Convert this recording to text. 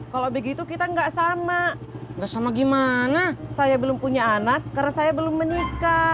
kalau begitu kita nggak sama nggak sama gimana saya belum punya anak karena saya belum menikah